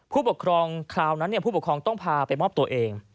ผู้ปกครองคราวนั้นผู้ปกครองต้องพาไปมอบตัวเอง